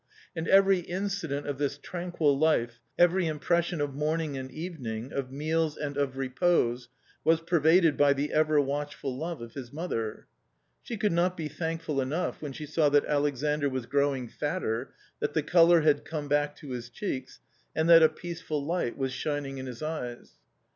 And every A COMMON STORY 259 incident of this tranquil life, every impression of morning and evening, of meals and of repose, was pervaded by the ever watchful love of his mother. She could not be thankful enough when she saw that Alexandr was growing fatter, that the colour had come back to his cheeks, and that a peaceful light was shining in his eyes.